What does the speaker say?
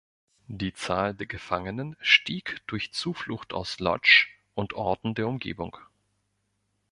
Die Zahl der Gefangenen stieg durch Zuflucht aus Lodz und Orten der Umgebung.